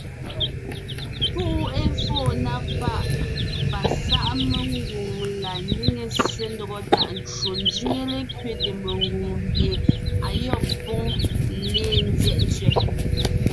Púʼu éfóo na páʼ pasáʼ mengwòŋ la néŋe ssé ńdɔgɔ tàʼ ncwò ńzẅíŋe lékẅéte mengwòŋ mie ayɔ́b póŋ léen ńzyɛ́ʼ ntsẅɛ́.